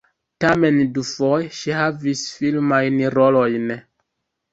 Tamen dufoje ŝi havis filmajn rolojn.